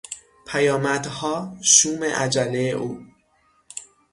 پیامدها شوم عجله او